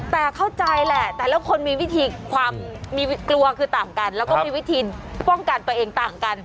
แต่เข้าใจแหละแต่ละคนมีวิธีความมีกลัวคือต่างกันแล้วก็มีวิธีป้องกันตัวเองต่างกัน